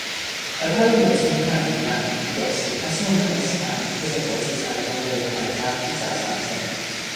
而他的母亲纳迪娜已表示她希望看到史达宁会在国际赛中为牙买加披甲上阵。